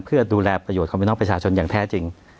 เพื่อดูแลประโยชน์ของพี่น้องประชาชนอย่างแท้จริง